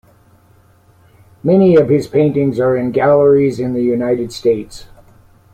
Many of his paintings are in galleries in the United States.